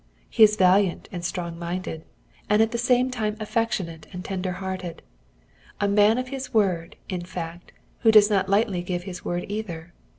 He is valiant and strong minded, and at the same time affectionate and tender hearted. A man of his word, in fact, who does not lightly give his word either.